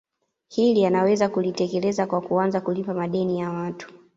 Hili anaweza kulitekeleza kwa kuanza kulipa madeni ya watu